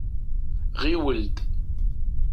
Ɣiwel-d.